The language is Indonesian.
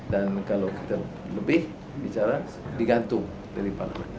dan kalau kita lebih bicara digantung dari parlement